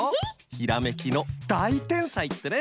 ひらめきのだいてんさいってね！